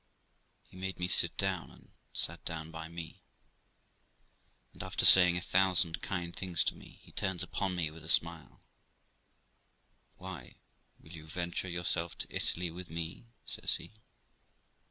He made me sit down, and sat down by me, and, after saying a thousand kind things to me, he turns upon me with a smile :' Why, will you venture yourself to Italy with me ?' says he.